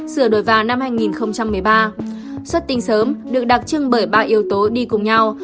xuất tinh sớm được đặc trưng bởi ba yếu tố đi cùng nhau